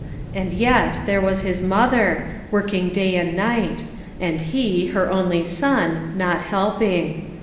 And yet there was his mother, working day and night, and he, her only son, not helping.